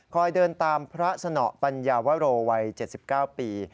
เดินตามพระสนปัญญาวโรวัย๗๙ปี